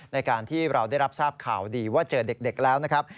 ในการที่เราได้รับทราบข่าวดีว่าเจอเด็กแล้วนะครับ